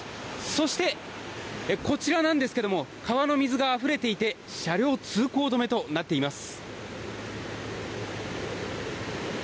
そして、こちらなんですが川の水があふれていて車両通行止めとなっています。